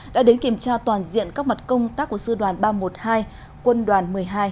đã đến kiểm tra toàn diện các mặt công tác của sư đoàn ba trăm một mươi hai quân đoàn một mươi hai